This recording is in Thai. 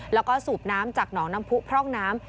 แล้วก็สูบน้ำจากหนองน้ำผู้พร่องน้ำ